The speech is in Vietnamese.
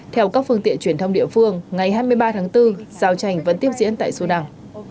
theo các phương tiện truyền thông địa phương ngày hai mươi ba tháng bốn giao tranh vẫn tiếp diễn tại sudan